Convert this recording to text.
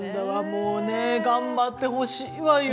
もうね頑張ってほしいわよ。